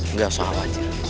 nggak usah khawatir